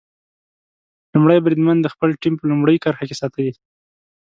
لومړی بریدمن د خپله ټیم په لومړۍ کرښه کې ساتي.